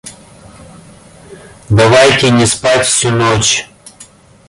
Давайте не спать всю ночь!